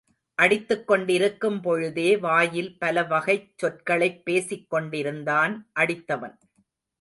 அடித்துக் கொண்டிருக்கும் பொழுதே வாயில் பல வகைச் சொற்களைப் பேசிக் கொண்டிருந்தான் அடித்தவன்.